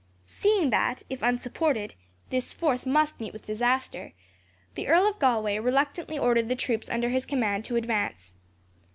Seeing that, if unsupported, this force must meet with disaster, the Earl of Galway reluctantly ordered the troops under his command to advance.